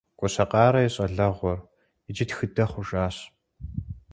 Гуащэкъарэ и щӀалэгъуэр иджы тхыдэ хъужащ.